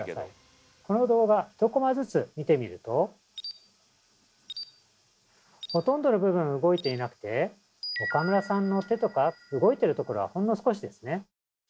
この動画１コマずつ見てみるとほとんどの部分動いていなくて岡村さんの手とか動いてるところはほんの少しですね。